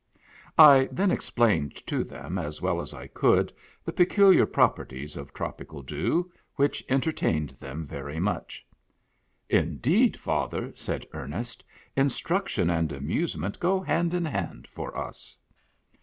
I then explained to them as well as I could the peculiar properties of tropical dew, which entertained them very much. " Indeed, father," said Ernest, " instruction and amusement go hand in hand for us."